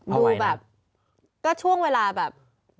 เอาไว้นะดูแบบก็ช่วงเวลาแบบ